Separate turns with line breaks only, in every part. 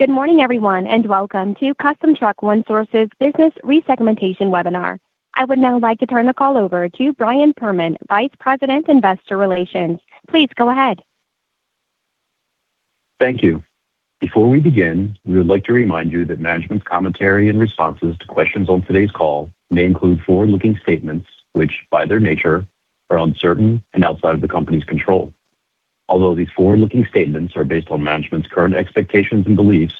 Good morning, everyone, and welcome to Custom Truck One Source's Business Re-segmentation Webinar. I would now like to turn the call over to Brian Perman, Vice President, Investor Relations. Please go ahead.
Thank you. Before we begin, we would like to remind you that management's commentary and responses to questions on today's call may include forward-looking statements which, by their nature, are uncertain and outside of the company's control. Although these forward-looking statements are based on management's current expectations and beliefs,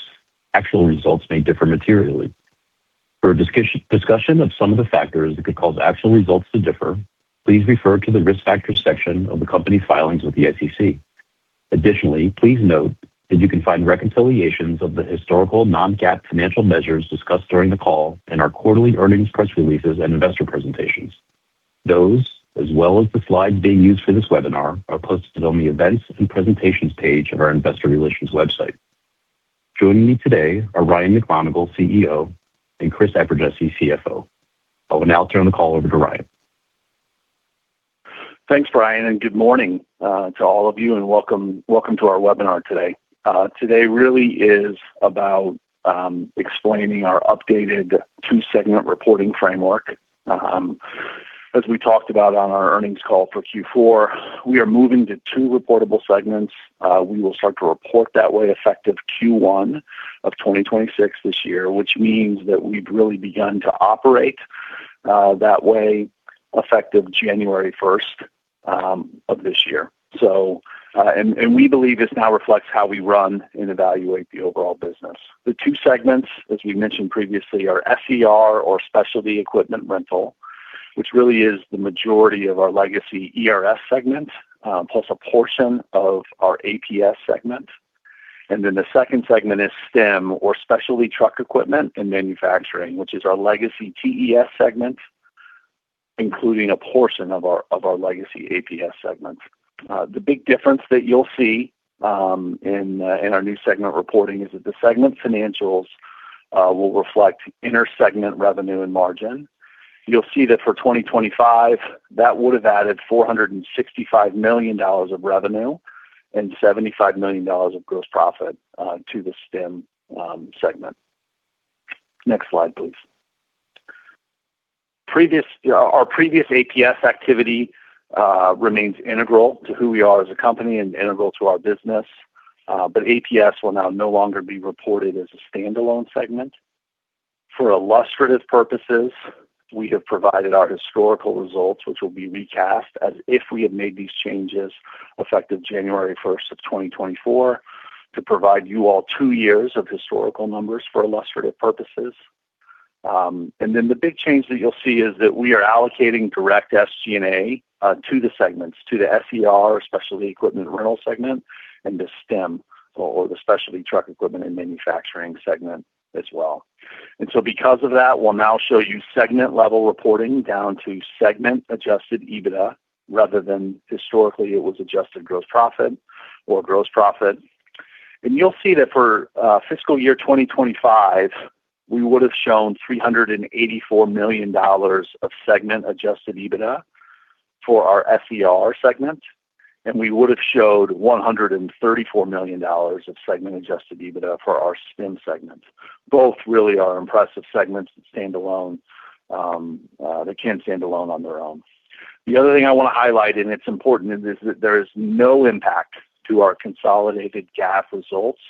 actual results may differ materially. For discussion of some of the factors that could cause actual results to differ, please refer to the Risk Factors section of the company's filings with the SEC. Additionally, please note that you can find reconciliations of the historical non-GAAP financial measures discussed during the call in our quarterly earnings press releases and investor presentations. Those, as well as the slides being used for this webinar, are posted on the Events and Presentations page of our Investor Relations website. Joining me today are Ryan McMonagle, CEO, and Chris Eperjesy, CFO. I will now turn the call over to Ryan.
Thanks, Brian, and good morning to all of you, and welcome to our webinar today. Today really is about explaining our updated two-segment reporting framework. As we talked about on our earnings call for Q4, we are moving to two reportable segments. We will start to report that way effective Q1 of 2026 this year, which means that we've really begun to operate that way effective January 1st of this year. We believe this now reflects how we run and evaluate the overall business. The two segments, as we mentioned previously, are SER, or Specialty Equipment Rentals, which really is the majority of our legacy ERS segment, plus a portion of our APS segment. Then the second segment is STEM, or Specialty Truck Equipment and Manufacturing, which is our legacy TES segment, including a portion of our legacy APS segment. The big difference that you'll see in our new segment reporting is that the segment financials will reflect inter-segment revenue and margin. You'll see that for 2025, that would have added $465 million of revenue and $75 million of gross profit to the STEM segment. Next slide, please. Our previous APS activity remains integral to who we are as a company and integral to our business, but APS will now no longer be reported as a standalone segment. For illustrative purposes, we have provided our historical results, which will be recast as if we had made these changes effective January 1st of 2024 to provide you all two years of historical numbers for illustrative purposes. The big change that you'll see is that we are allocating direct SG&A to the segments, to the SER, Specialty Equipment Rentals segment and the STEM, or the Specialty Truck Equipment and Manufacturing segment as well. Because of that, we'll now show you segment-level reporting down to segment adjusted EBITDA rather than historically it was adjusted gross profit or gross profit. You'll see that for fiscal year 2025, we would have shown $384 million of segment adjusted EBITDA for our SER segment, and we would have showed $134 million of segment adjusted EBITDA for our STEM segment. Both really are impressive segments that can stand alone on their own. The other thing I want to highlight, and it's important, is that there is no impact to our consolidated GAAP results,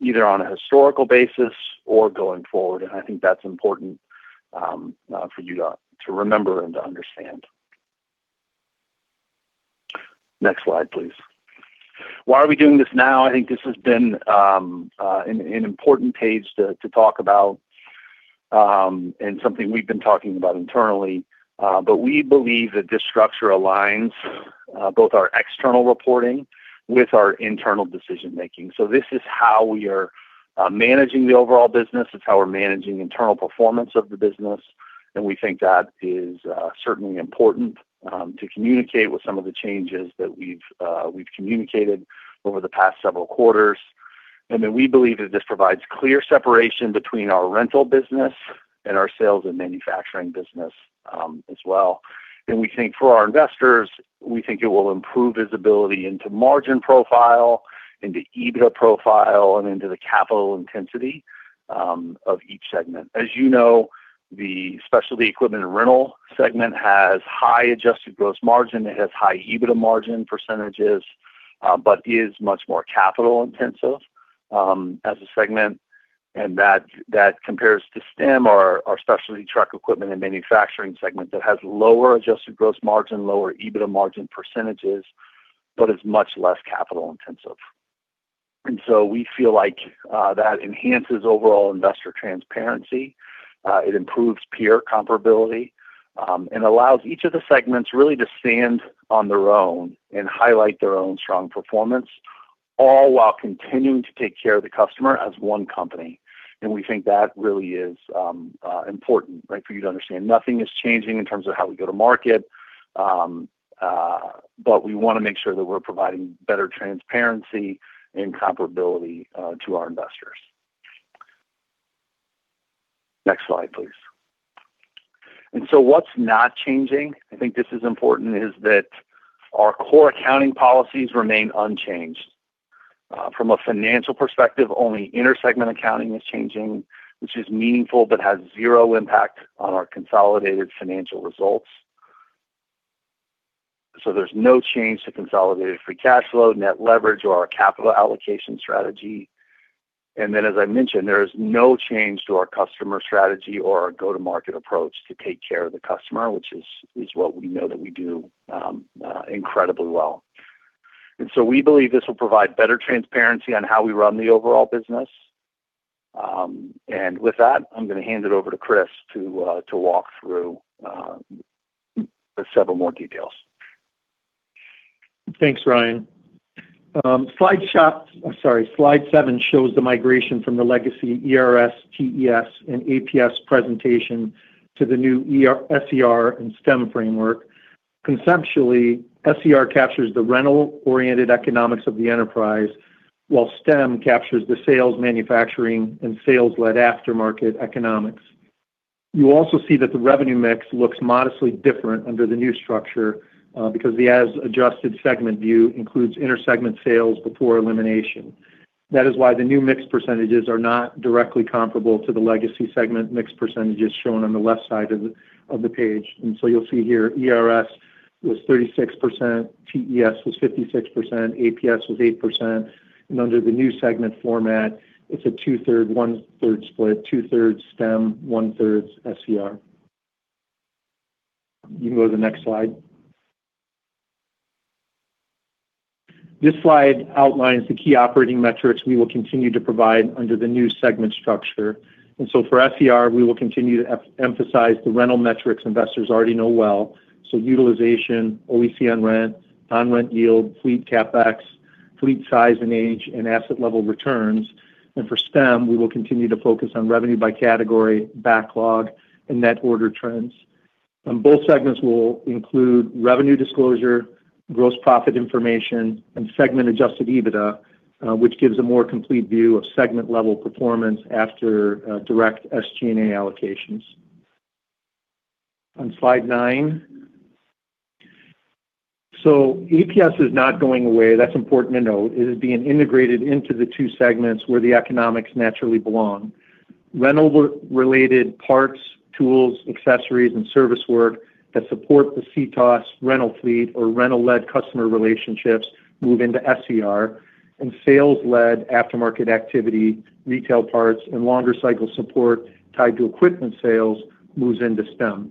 either on a historical basis or going forward. I think that's important for you to remember and to understand. Next slide, please. Why are we doing this now? I think this has been an important page to talk about, and something we've been talking about internally, but we believe that this structure aligns both our external reporting with our internal decision-making. This is how we are managing the overall business. It's how we're managing internal performance of the business, and we think that is certainly important to communicate with some of the changes that we've communicated over the past several quarters. We believe that this provides clear separation between our rental business and our sales and manufacturing business, as well. We think for our investors, we think it will improve visibility into margin profile, into EBITDA profile, and into the capital intensity of each segment. As you know, the Specialty Equipment Rentals segment has high adjusted gross margin. It has high EBITDA margin percentages, but is much more capital-intensive, as a segment. That compares to STEM, our Specialty Truck Equipment and Manufacturing segment that has lower adjusted gross margin, lower EBITDA margin percentages, but is much less capital-intensive. We feel like that enhances overall investor transparency. It improves peer comparability and allows each of the segments really to stand on their own and highlight their own strong performance, all while continuing to take care of the customer as one company. We think that really is important, right, for you to understand. Nothing is changing in terms of how we go to market, but we want to make sure that we're providing better transparency and comparability to our investors. Next slide, please. What's not changing, I think this is important, is that our core accounting policies remain unchanged. From a financial perspective, only inter-segment accounting is changing, which is meaningful but has zero impact on our consolidated financial results. There's no change to consolidated free cash flow, net leverage, or our capital allocation strategy. As I mentioned, there is no change to our customer strategy or our go-to-market approach to take care of the customer, which is what we know that we do incredibly well. We believe this will provide better transparency on how we run the overall business. With that, I'm gonna hand it over to Chris to walk through several more details.
Thanks, Ryan. Slide seven shows the migration from the legacy ERS, TES, and APS presentation to the new SER and STEM framework. Conceptually, SER captures the rental-oriented economics of the enterprise, while STEM captures the sales, manufacturing, and sales-led aftermarket economics. You also see that the revenue mix looks modestly different under the new structure, because the as adjusted segment view includes inter-segment sales before elimination. That is why the new mix percentages are not directly comparable to the legacy segment mix percentages shown on the left side of the page. You'll see here ERS was 36%, TES was 56%, APS was 8%. Under the new segment format, it's a 2/3-1/3 split. Two third STEM, 1/3 SER. You can go to the next slide. This slide outlines the key operating metrics we will continue to provide under the new segment structure. For SER, we will continue to emphasize the rental metrics investors already know well, so utilization, OEC on rent, on-rent yield, fleet CapEx, fleet size and age, and asset level returns. For STEM, we will continue to focus on revenue by category, backlog, and net order trends. Both segments will include revenue disclosure, gross profit information, and segment adjusted EBITDA, which gives a more complete view of segment-level performance after direct SG&A allocations. On slide nine. APS is not going away. That's important to note. It is being integrated into the two segments where the economics naturally belong. Rental-related parts, tools, accessories, and service work that support the CTOS rental fleet or rental-led customer relationships move into SER. Sales-led aftermarket activity, retail parts, and longer cycle support tied to equipment sales moves into STEM.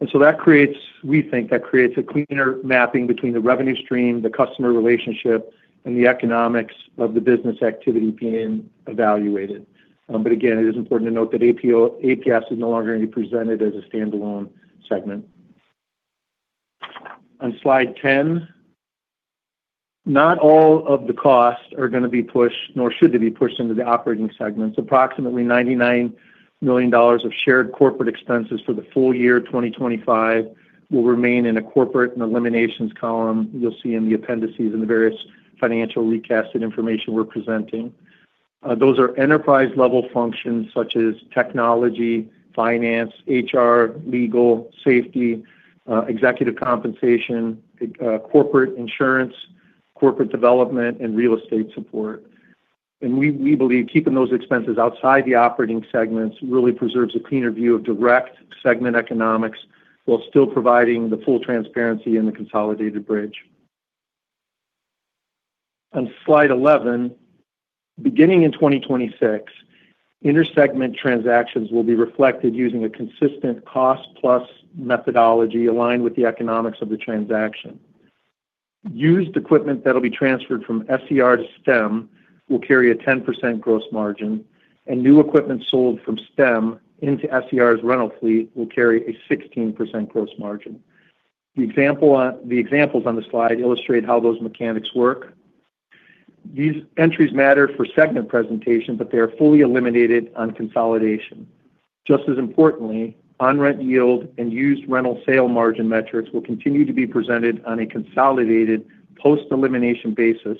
We think that creates a cleaner mapping between the revenue stream, the customer relationship, and the economics of the business activity being evaluated. But again, it is important to note that APO, APS is no longer gonna be presented as a standalone segment. On slide 10. Not all of the costs are gonna be pushed, nor should they be pushed into the operating segments. Approximately $99 million of shared corporate expenses for the full year 2025 will remain in a corporate and eliminations column you'll see in the appendices and the various financial recast information we're presenting. Those are enterprise-level functions such as technology, finance, HR, legal, safety, executive compensation, corporate insurance, corporate development, and real estate support. We believe keeping those expenses outside the operating segments really preserves a cleaner view of direct segment economics while still providing the full transparency in the consolidated bridge. On slide 11. Beginning in 2026, inter-segment transactions will be reflected using a consistent cost plus methodology aligned with the economics of the transaction. Used equipment that'll be transferred from SER to STEM will carry a 10% gross margin, and new equipment sold from STEM into SER's rental fleet will carry a 16% gross margin. The examples on the slide illustrate how those mechanics work. These entries matter for segment presentation, but they are fully eliminated on consolidation. Just as importantly, on rent yield and used rental sale margin metrics will continue to be presented on a consolidated post-elimination basis,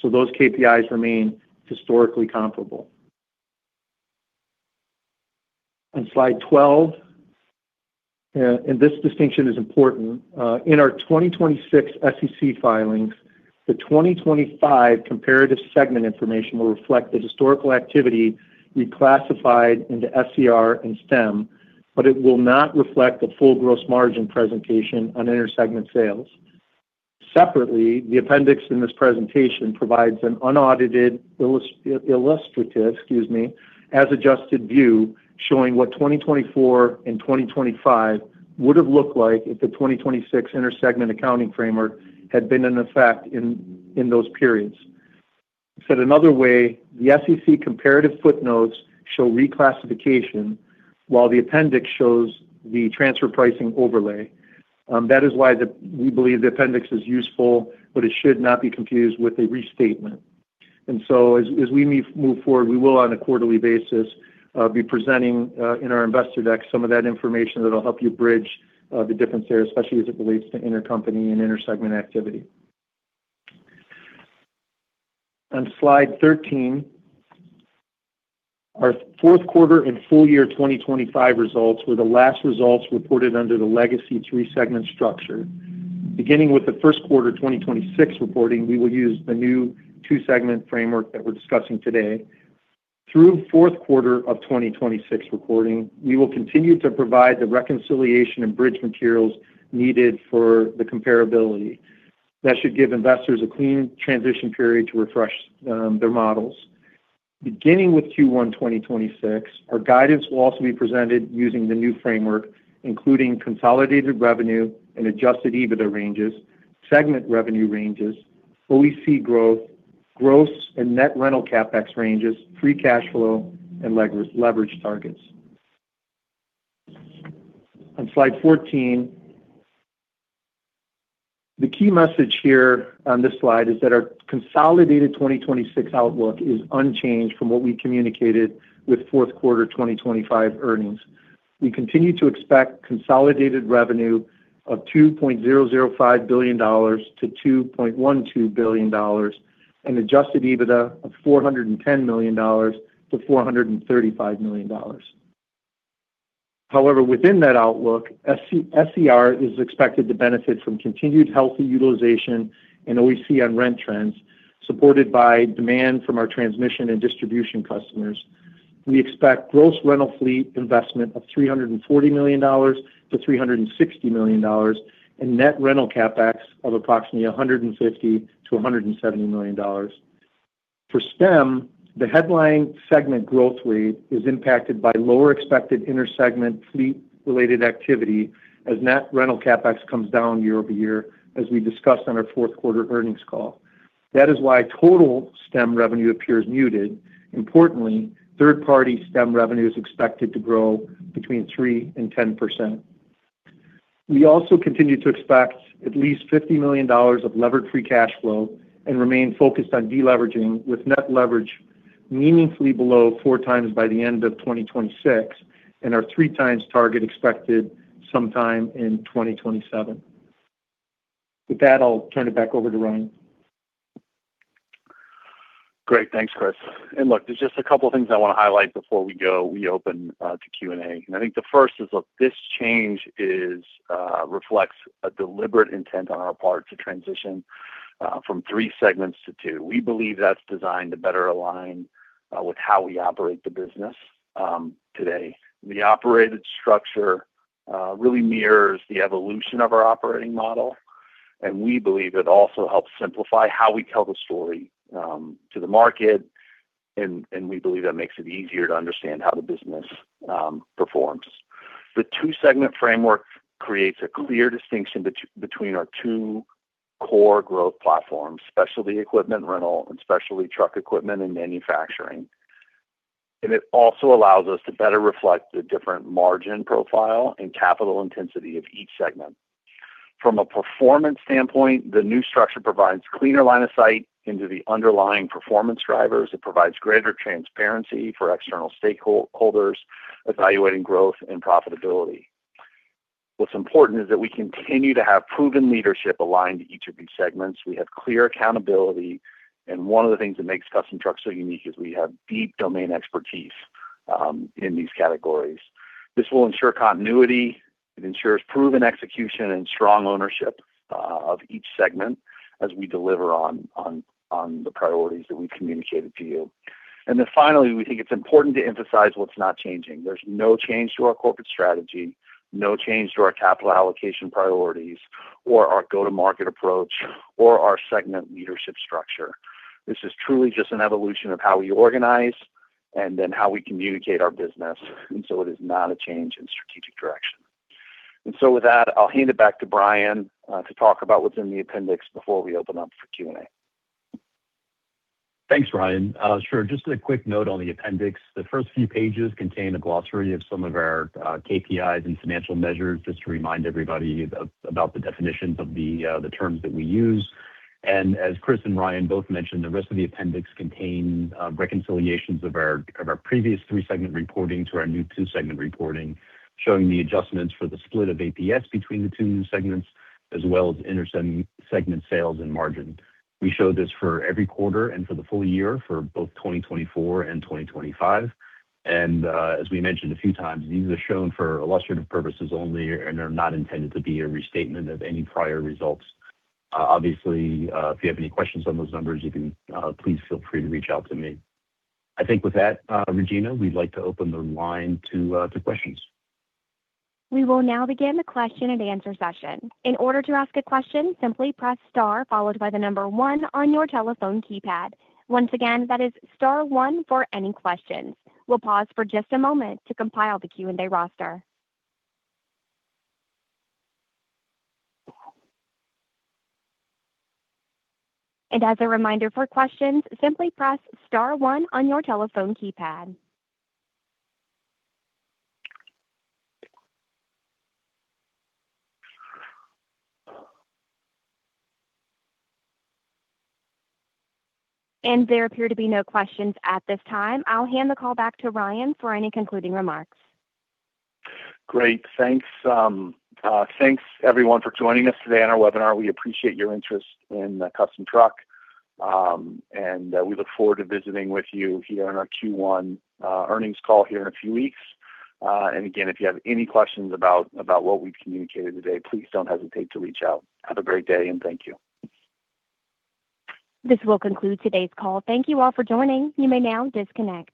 so those KPIs remain historically comparable. On slide 12. This distinction is important. In our 2026 SEC filings, the 2025 comparative segment information will reflect the historical activity reclassified into SER and STEM, but it will not reflect the full gross margin presentation on inter-segment sales. Separately, the appendix in this presentation provides an unaudited, illustrative, as adjusted view showing what 2024 and 2025 would have looked like if the 2026 inter-segment accounting framework had been in effect in those periods. Said another way, the SEC comparative footnotes show reclassification while the appendix shows the transfer pricing overlay. That is why we believe the appendix is useful, but it should not be confused with a restatement. As we move forward, we will on a quarterly basis be presenting in our investor deck some of that information that'll help you bridge the difference there, especially as it relates to intercompany and inter-segment activity. On slide 13, our fourth quarter and full year 2025 results were the last results reported under the legacy three-segment structure. Beginning with the first quarter 2026 reporting, we will use the new two-segment framework that we're discussing today. Through fourth quarter of 2026 reporting, we will continue to provide the reconciliation and bridge materials needed for the comparability. That should give investors a clean transition period to refresh their models. Beginning with Q1 2026, our guidance will also be presented using the new framework, including consolidated revenue and adjusted EBITDA ranges, segment revenue ranges, OEC growth, gross and net rental CapEx ranges, free cash flow, and leverage targets. On slide 14, the key message here on this slide is that our consolidated 2026 outlook is unchanged from what we communicated with fourth quarter 2025 earnings. We continue to expect consolidated revenue of $2.005 billion-$2.12 billion and adjusted EBITDA of $410 million-$435 million. However, within that outlook, SER is expected to benefit from continued healthy utilization and OEC on-rent trends supported by demand from our transmission and distribution customers. We expect gross rental fleet investment of $340 million-$360 million and net rental CapEx of approximately $150 million-$170 million. For STEM, the headline segment growth rate is impacted by lower expected intersegment fleet-related activity as net rental CapEx comes down year-over-year, as we discussed on our fourth quarter earnings call. That is why total STEM revenue appears muted. Importantly, third-party STEM revenue is expected to grow between 3% and 10%. We also continue to expect at least $50 million of levered free cash flow and remain focused on deleveraging with net leverage meaningfully below 4x by the end of 2026 and our 3x target expected sometime in 2027. With that, I'll turn it back over to Ryan.
Great. Thanks, Chris. Look, there's just a couple of things I want to highlight before we go. We open to Q&A. I think the first is, look, this change reflects a deliberate intent on our part to transition from three segments to two. We believe that's designed to better align with how we operate the business today. The operated structure really mirrors the evolution of our operating model, and we believe it also helps simplify how we tell the story to the market and we believe that makes it easier to understand how the business performs. The two-segment framework creates a clear distinction between our two core growth platforms, Specialty Equipment Rental and Specialty Truck Equipment and Manufacturing. It also allows us to better reflect the different margin profile and capital intensity of each segment. From a performance standpoint, the new structure provides cleaner line of sight into the underlying performance drivers. It provides greater transparency for external stakeholders evaluating growth and profitability. What's important is that we continue to have proven leadership aligned to each of these segments. We have clear accountability, and one of the things that makes Custom Truck so unique is we have deep domain expertise in these categories. This will ensure continuity. It ensures proven execution and strong ownership of each segment as we deliver on the priorities that we've communicated to you. Finally, we think it's important to emphasize what's not changing. There's no change to our corporate strategy, no change to our capital allocation priorities or our go-to-market approach or our segment leadership structure. This is truly just an evolution of how we organize and then how we communicate our business. It is not a change in strategic direction. With that, I'll hand it back to Brian to talk about what's in the appendix before we open up for Q&A.
Thanks, Ryan. Sure. Just a quick note on the appendix. The first few pages contain a glossary of some of our KPIs and financial measures, just to remind everybody about the definitions of the terms that we use. As Chris and Ryan both mentioned, the rest of the appendix contain reconciliations of our previous three-segment reporting to our new two-segment reporting, showing the adjustments for the split of APS between the two new segments, as well as intersegment sales and margin. We show this for every quarter and for the full year for both 2024 and 2025. As we mentioned a few times, these are shown for illustrative purposes only and are not intended to be a restatement of any prior results. Obviously, if you have any questions on those numbers, you can please feel free to reach out to me. I think with that, Regina, we'd like to open the line to questions.
We will now begin the question and answer session. In order to ask a question, simply press star followed by the number one on your telephone keypad. Once again, that is star one for any questions. We'll pause for just a moment to compile the Q&A roster. As a reminder for questions, simply press star one on your telephone keypad. There appear to be no questions at this time. I'll hand the call back to Ryan for any concluding remarks.
Great. Thanks. Thanks everyone for joining us today on our webinar. We appreciate your interest in Custom Truck. We look forward to visiting with you here on our Q1 earnings call here in a few weeks. Again, if you have any questions about what we communicated today, please don't hesitate to reach out. Have a great day, and thank you.
This will conclude today's call. Thank you all for joining. You may now disconnect.